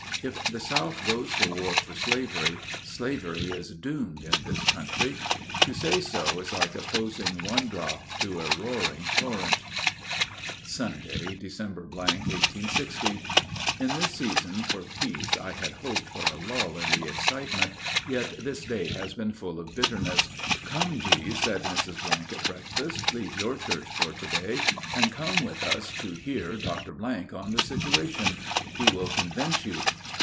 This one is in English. If the South goes to war for slavery, slavery is doomed in this country. To say so is like opposing one drop to a roaring torrent. Sunday, Dec. , 1860. In this season for peace I had hoped for a lull in the excitement, yet this day has been full of bitterness. "Come, G.," said Mrs. at breakfast, "leave your church for to day and come with us to hear Dr. on the situation. He will convince you."